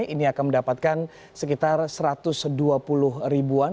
ini akan mendapatkan sekitar satu ratus dua puluh ribuan